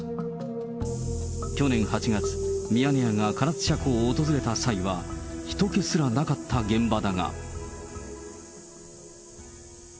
去年８月、ミヤネ屋が唐津斜坑を訪れた際は、ひと気すらなかった現場だが。